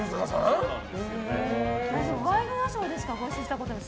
「ワイドナショー」でしかご一緒したことない。